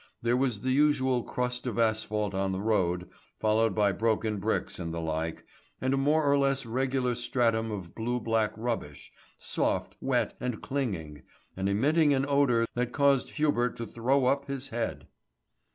There was the usual crust of asphalt on the road, followed by broken bricks and the like, and a more or less regular stratum of blue black rubbish, soft, wet, and clinging, and emitting an odour that caused Hubert to throw up his head.